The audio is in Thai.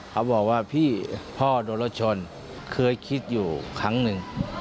เขาบอกว่าพี่พ่อโดนรถชนเคยคิดอยู่ครั้งหนึ่ง